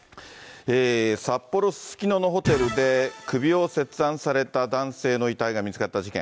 札幌・すすきののホテルで首を切断された男性の遺体が見つかった事件。